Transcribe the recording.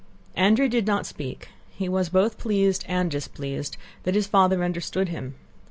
Andrew did not speak; he was both pleased and displeased that his father understood him.